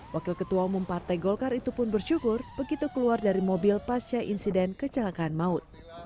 wakil ketua umum partai golkar itu pun bersyukur begitu keluar dari mobil pasca insiden kecelakaan maut